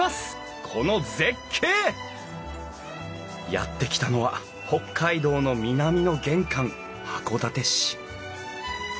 やって来たのは北海道の南の玄関函館市。